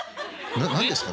な何ですか？